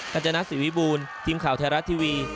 จจนัสสิวิบูรณ์ทีมข่าวไทยรัฐทีวี